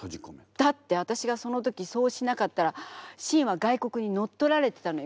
だってわたしがその時そうしなかったら清は外国にのっとられてたのよ。